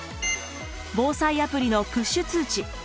防災アプリのプッシュ通知。